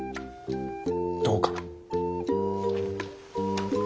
どうかな。